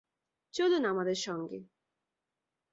চলুন আমাদের সঙ্গে।